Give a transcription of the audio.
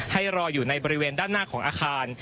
ให้รออยู่ในบริเวณด้านหน้าของอาคาร